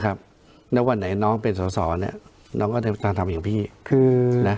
แล้ววันไหนน้องเป็นสอสอเนี่ยน้องก็จะทำอย่างพี่นะ